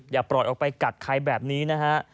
อย่าปล่อยออกไปกัดใครแบบนี้นะฮะ